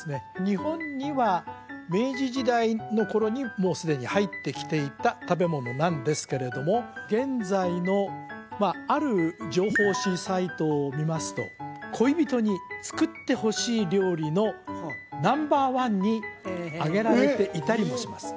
日本には明治時代の頃にもうすでに入ってきていた食べ物なんですけれども現在のまあある情報誌サイトを見ますと恋人に作ってほしい料理のナンバーワンに挙げられていたりもしますえ？